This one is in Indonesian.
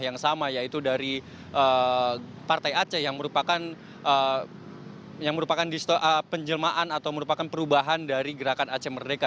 yang sama yaitu dari partai aceh yang merupakan penjelmaan atau merupakan perubahan dari gerakan aceh merdeka